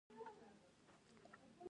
خارجي تفتیش په مالي مسایلو نظر څرګندوي.